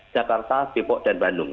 jakarta depok dan bandung